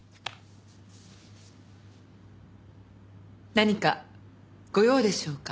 何かご用でしょうか？